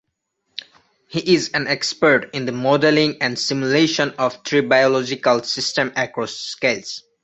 He is an expert in the modelling and simulation of tribological systems across scales.